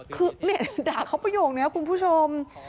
คือด่าเขาประโยคนี้คุณผู้ชม